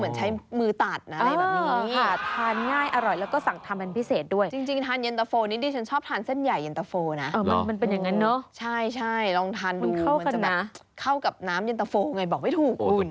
ใช่ลองทานดูเหมือนจะแบบเข้ากับน้ำเย็นตะโฟล์ไงบอกไม่ถูกคุณ